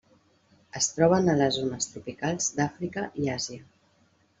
Es troben a les zones tropicals d'Àfrica i Àsia.